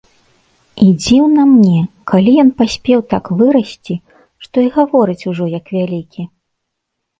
І дзіўна мне, калі ён паспеў так вырасці, што і гаворыць ужо як вялікі.